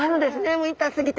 もう痛すぎて。